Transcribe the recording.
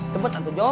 cepet atu jok